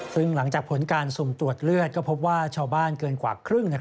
ซึ่งหลังจากผลการสุ่มตรวจเลือดก็พบว่าชาวบ้านเกินกว่าครึ่ง